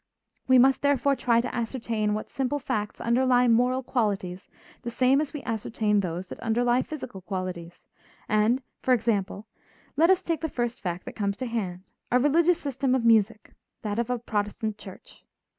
We must therefore try to ascertain what simple facts underlie moral qualities the same as we ascertain those that underlie physical qualities, and, for example, let us take the first fact that comes to hand, a religious system of music, that of a Protestant church.